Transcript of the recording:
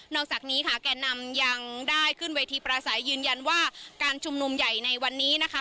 อกจากนี้ค่ะแก่นำยังได้ขึ้นเวทีประสัยยืนยันว่าการชุมนุมใหญ่ในวันนี้นะคะ